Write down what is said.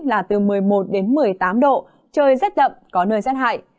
là từ một mươi một đến một mươi tám độ trời rét đậm có nơi rét hại